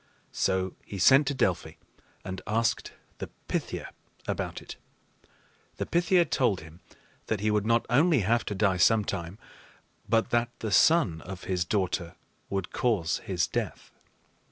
So he sent to Delphi and asked the Pythia about it. The Pythia told him that he would not only have to die some time, but that the son of his daughter would cause his death.